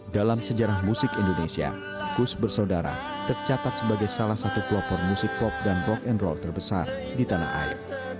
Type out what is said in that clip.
dalam sejarah musik indonesia kus bersaudara tercatat sebagai salah satu pelopor musik pop dan rock and roll terbesar di tanah air